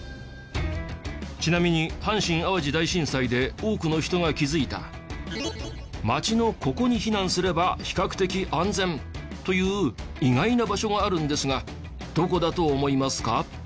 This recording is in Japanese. ちなみに阪神・淡路大震災で多くの人が気付いた街のここに避難すれば比較的安全という意外な場所があるんですがどこだと思いますか？